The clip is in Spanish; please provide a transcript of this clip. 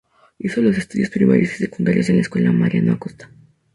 Hizo los estudios primarios y secundarios en la Escuela Mariano Acosta.